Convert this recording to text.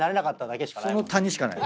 その谷しかない。